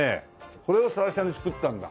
これを最初に作ったんだ？